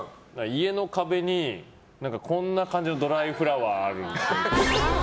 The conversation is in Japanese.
家の壁に、こんな感じのドライフラワーあるっぽい。